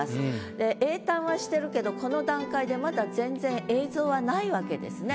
で詠嘆はしてるけどこの段階でまだ全然映像はないわけですね。